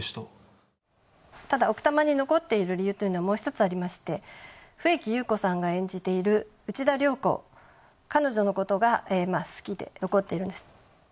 ただ奥多摩に残っている理由というのはもう１つありまして笛木優子さんが演じている内田遼子彼女のことが好きで残ってるんです。